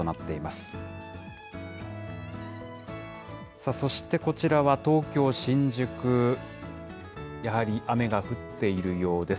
さあそして、こちらは東京・新宿、やはり雨が降っているようです。